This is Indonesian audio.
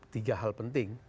tiga hal penting